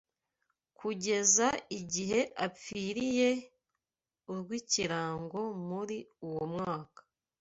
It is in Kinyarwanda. kugeza igihe apfiriye urw’ikirago muri uwo mwaka